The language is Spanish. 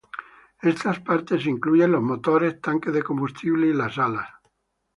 Estas partes incluyen los motores, tanques de combustible y las alas.